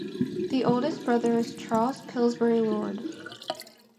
The oldest brother is Charles Pillsbury Lord.